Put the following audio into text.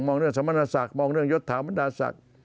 มองเรื่องสมรสักมองเรื่องยดถามรสัก